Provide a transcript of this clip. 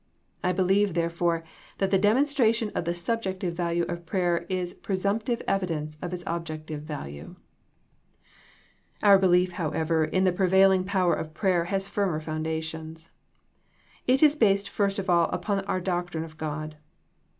I believe therefore that the demonstration of the subjective value of prayer is presumptive evidence of its objective value. Our belief, however, in the prevailing power of prayer has firmer foundations. It is based first of all upon our doctrine of God.